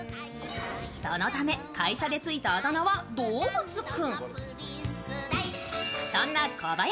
そのため会社でついたあだ名は動物君。